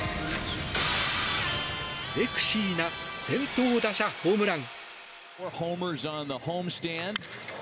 セクシーな先頭打者ホームラン。